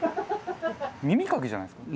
耳かきじゃないですか。